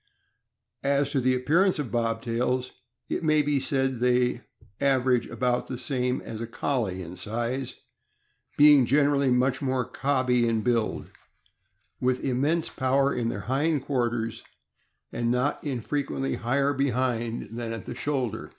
As to the appearance of Bobtails, it may be said that they average about the same as the Collie in size, being gener ally much more cobby in build, with immense power in their hind quarters, and not infrequently higher behind THE OLD ENGLISH SHEEP DOG. 517 than at the shoulder.